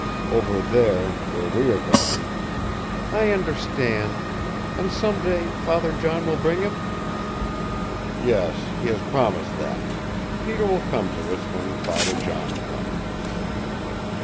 Over there, where we are going " "I understand. And some day, Father John will bring him?" "Yes. He has promised that. Peter will come to us when Father John comes."